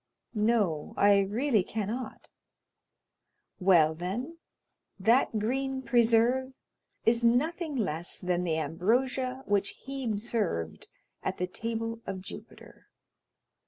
"No, I really cannot." "Well, then, that green preserve is nothing less than the ambrosia which Hebe served at the table of Jupiter."